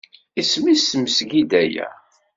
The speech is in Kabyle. Isem-is tmezgida-a.